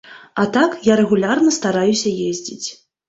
А так, я рэгулярна стараюся ездзіць.